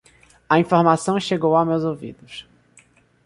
A informação chegou a meus ouvidos